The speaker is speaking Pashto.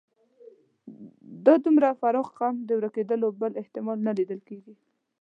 د دومره پراخ قوم د ورکېدلو بل احتمال نه لیدل کېږي.